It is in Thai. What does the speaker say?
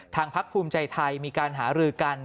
ทางพรรคภูมิใจไทยมีการหารือกัน